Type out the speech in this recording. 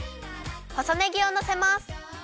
細ねぎをのせます。